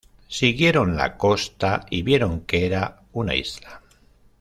Siguieron la costa y vieron que era una isla.